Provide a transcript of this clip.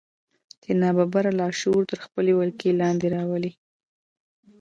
چې ناببره لاشعور تر خپلې ولکې لاندې راولي.